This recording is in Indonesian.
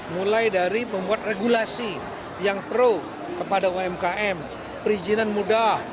mulai dari membuat regulasi yang pro kepada umkm perizinan mudah